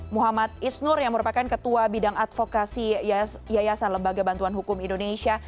muhammad isnur yang merupakan ketua bidang advokasi yayasan lembaga bantuan hukum indonesia